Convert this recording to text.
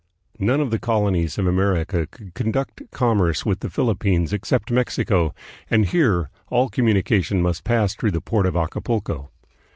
None of the colonies of America could conduct commerce with the Philippines except Mexico, and here all communica tion must pass through the port of Acapulco.